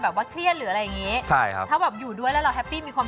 ไม่เชิญให้มาเกลี้ยน